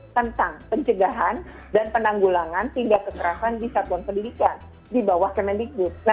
tentang pencegahan dan penanggulangan tindak keterasan di satuan pendidikan di bawah kementerian agama